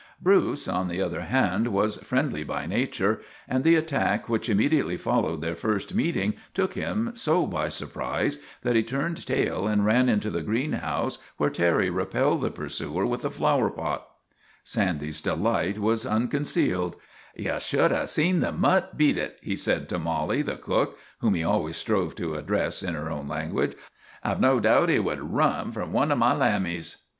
Bruce, on the other hand, was friendly by nature, and the attack which immediately followed their first meeting took him so by surprise that he turned tail and ran into the greenhouse, where Terry repelled the pursuer with a flower pot. Sandy's delight was unconcealed. Ye should have seen the mutt beat it," he said to Mollie the 36 THE TWA DOGS O' GLENFERGUS cook, whom he always strove to address in her own language. ' I ' ve no doubt he would run from one of my Iambics."